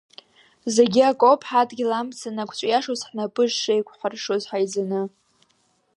Зегьы акоуп ҳадгьыл амца анақәҵәиашоз, ҳнапы шеикәҳаршоз ҳаизаны.